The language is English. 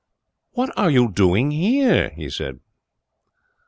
'What are you doing here?' he said.